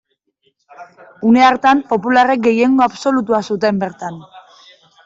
Une hartan, popularrek gehiengo absolutua zuten bertan.